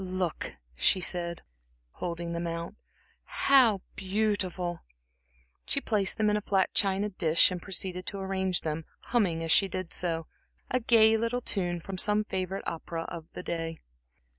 "Look," she said, holding them out "how beautiful!" She placed them in a flat china dish and proceeded to arrange them, humming, as she did so, a gay little tune from some favorite opera of the day.